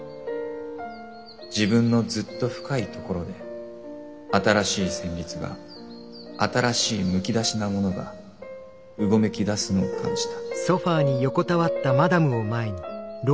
自分のずっと深い所で新しい戦慄が新しいむき出しなものがうごめき出すのを感じた」。